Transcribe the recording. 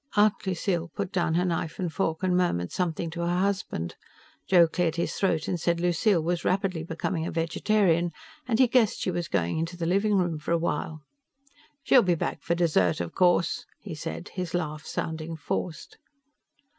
Aunt Lucille put down her knife and fork and murmured something to her husband. Joe cleared his throat and said Lucille was rapidly becoming a vegetarian and he guessed she was going into the living room for a while. "She'll be back for dessert, of course," he said, his laugh sounding forced.